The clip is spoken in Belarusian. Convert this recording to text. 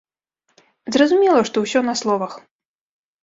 Зразумела, што ўсё на словах.